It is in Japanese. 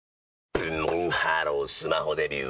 ブンブンハロースマホデビュー！